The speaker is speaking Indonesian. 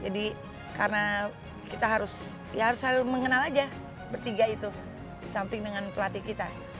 jadi karena kita harus ya harus mengenal aja bertiga itu di samping dengan pelatih kita